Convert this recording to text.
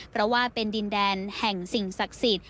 เพราะว่าเป็นดินแดนแห่งสิ่งศักดิ์สิทธิ์